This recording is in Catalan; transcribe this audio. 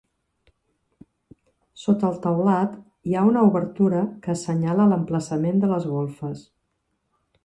Sota el teulat hi ha una obertura que assenyala l'emplaçament de les golfes.